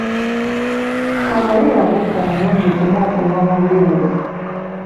Kabali yabuuka omulundi gumu okuva mu buliri bwe.